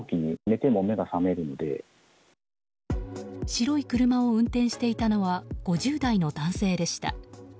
白い車を運転していたのは５０代の男性でした。